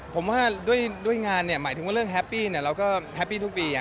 ผมว่าด้วยด้วยงานเนี่ยหมายถึงว่าเรื่องแฮปปี้เนี่ยเราก็แฮปปี้ทุกปีอ่ะ